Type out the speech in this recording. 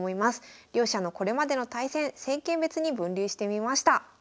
両者のこれまでの対戦戦型別に分類してみました。